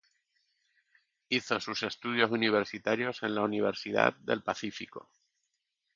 Hizo sus estudios universitarios en la Universidad del Pacífico.